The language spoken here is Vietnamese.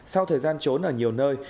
sau thời gian trốn ở nhiều nơi